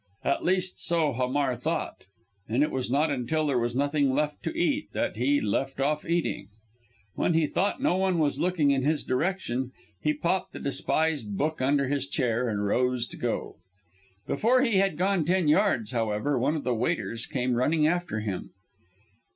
At least so Hamar thought; and it was not until there was nothing left to eat that he left off eating. When he thought no one was looking in his direction, he popped the despised book under his chair and rose to go. Before he had gone ten yards, however, one of the waiters came running after him.